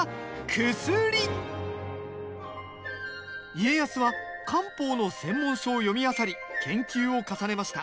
家康は漢方の専門書を読みあさり研究を重ねました。